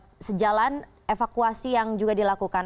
dan juga dengan sejalan evakuasi yang juga dilakukan